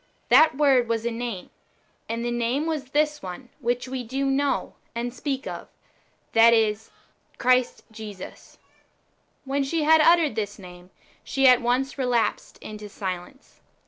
That w^ord was a name, and the name was this one which we do know and speak of, viz. Christ Jesus. When she had uttered this name, she at once relapsed into silence.